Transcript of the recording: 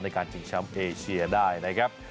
จริงแชมป์เอเชียได้นะครับ